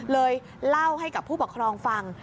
เล่าให้กับผู้ปกครองฟัง